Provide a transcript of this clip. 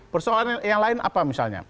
persoalan yang lain apa misalnya